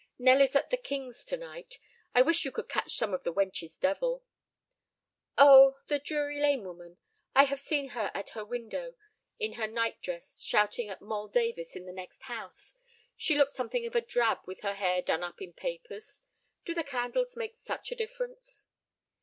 Nell is at The King's to night. I wish you could catch some of the wench's devil." "Oh—the Drury Lane woman! I have seen her at her window in her night dress shouting at Moll Davis in the next house. She looked something of a drab with her hair done up in papers. Do the candles make such a difference?"